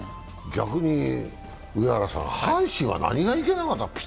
逆に上原さん、阪神は何がいけなかった？